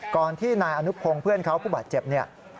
ก่อนที่นายอนุพงศ์เพื่อนเขาผู้บาดเจ็บเนี่ย